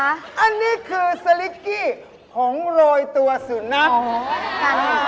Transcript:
อันนี้คือสลิกกี้ผงโรยตัวสุนัข